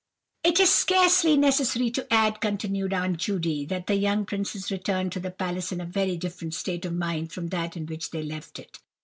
"It is scarcely necessary to add," continued Aunt Judy, "that the young princes returned to the palace in a very different state of mind from that in which they left it.